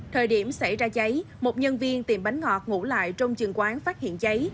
thời điểm xảy ra cháy một nhân viên tiệm bánh ngọt ngủ lại trong trường quán phát hiện cháy